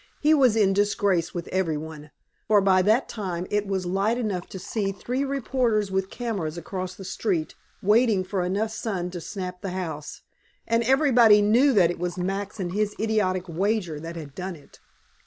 He was in disgrace with every one, for by that time it was light enough to see three reporters with cameras across the street waiting for enough sun to snap the house, and everybody knew that it was Max and his idiotic wager that had done it.